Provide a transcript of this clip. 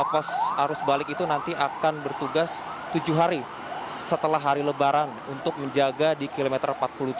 pos arus balik itu nanti akan bertugas tujuh hari setelah hari lebaran untuk menjaga di kilometer empat puluh tujuh